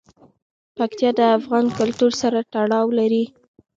پکتیا د افغان کلتور سره تړاو لري.